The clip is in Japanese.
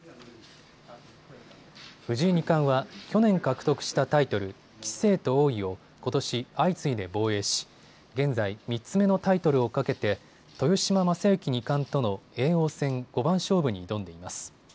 藤井二冠は去年獲得したタイトル、棋聖と王位をことし相次いで防衛し現在３つ目のタイトルを懸けて豊島将之二冠との叡王戦五番勝負に挑んでいます。